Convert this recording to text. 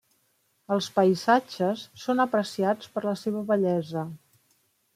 Els paisatges són apreciats per la seva bellesa.